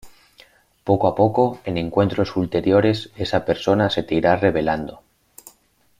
Poco a poco, en encuentros ulteriores, esa persona se te irá revelando.